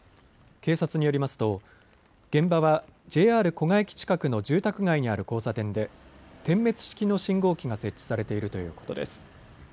警察によりますと現場はＪＲ古河駅近くの住宅街にある交差点で点滅式の信号機が設置されているということです。